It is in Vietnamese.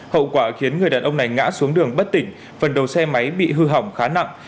hậu quả khiến người đàn ông này ngã xuống đường bất tỉnh phần đầu xe máy bị hư hỏng khá nặng